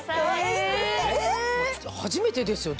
初めてですよ